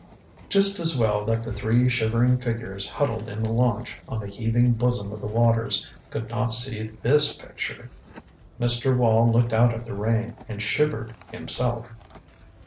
Just as well that the three shivering figures huddled in the launch on the heaving bosom of the waters could not see this picture. Mr. Wall looked out at the rain, and shivered himself.